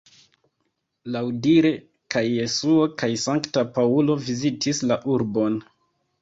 Laŭdire kaj Jesuo kaj Sankta Paŭlo vizitis la urbon.